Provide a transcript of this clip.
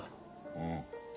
うん。